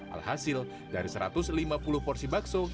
alhasil dari satu ratus lima puluh porsi bakso